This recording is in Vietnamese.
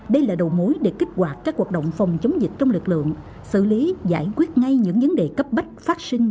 đây là đầu mối để kích hoạt các hoạt động phòng chống dịch trong lực lượng xử lý giải quyết ngay những vấn đề cấp bách phát sinh